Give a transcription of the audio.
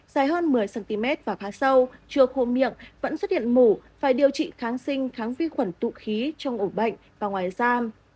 dài hơn một mươi cm và phá sâu chưa khô miệng vẫn xuất hiện mủ phải điều trị kháng sinh kháng vi khuẩn tụ khí trong ổn bệnh và ngoài giam